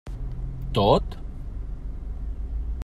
Tot?